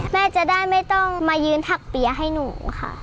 แม่จะได้ไม่ต้องมายืนผักเปี๊ยะให้หนูค่ะ